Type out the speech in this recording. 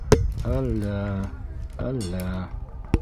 Әллә... әллә...